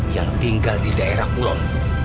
yang tinggal di daerah kulon